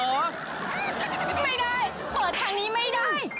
ไม่ได้เปิดทางนี้ไม่ได้